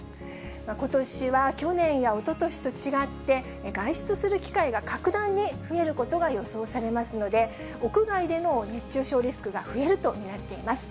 ことしは去年やおととしと違って、外出する機会が格段に増えることが予想されますので、屋外での熱中症リスクが増えると見られています。